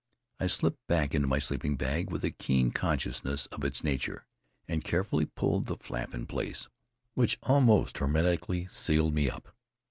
I slipped back into my sleeping bag, with a keen consciousness of its nature, and carefully pulled the flap in place, which almost hermetically sealed me up.